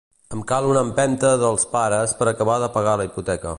Em cal una empenta dels pares per a acabar de pagar la hipoteca.